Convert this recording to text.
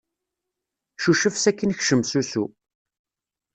Cucef sakin kcem s usu.